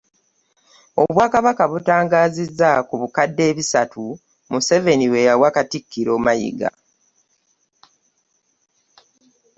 Obwakabaka butangaazizza ku bukadde ebisatu Museveni bweyawa katikkiro Mayiga